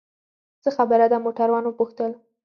څه خبره ده؟ موټروان وپوښتل.